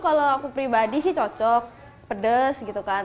kalau aku pribadi sih cocok pedas gitu kan